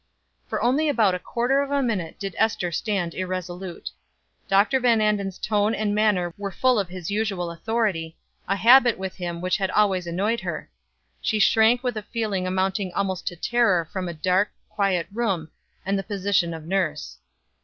For only about a quarter of a minute did Ester stand irresolute. Dr. Van Anden's tone and manner were full of his usual authority a habit with him which had always annoyed her. She shrank with a feeling amounting almost to terror from a dark, quiet room, and the position of nurse.